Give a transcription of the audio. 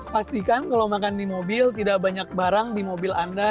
pastikan kalau makan di mobil tidak banyak barang di mobil anda